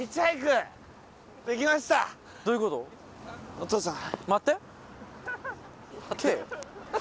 お父さん